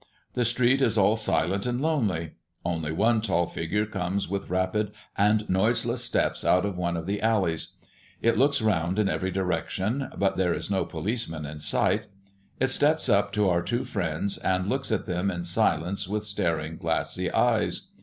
The street is all silent and lonely; only one tall figure comes with rapid and noiseless steps out of one of the alleys. It looks round in every direction; but there is no policeman in sight. It steps up to our two friends, and looks at them in silence with staring glassy eyes.